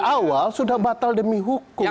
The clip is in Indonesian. awal sudah batal demi hukum